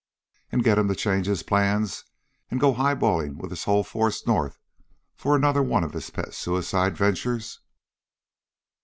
"And get him to change his plans and go high balling with his whole force north for another one of his pet suicide ventures?"